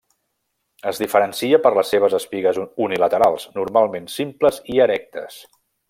Es diferencia per les seves espigues unilaterals, normalment simples i erectes.